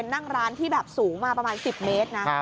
นั่งร้านที่แบบสูงมาประมาณ๑๐เมตรนะ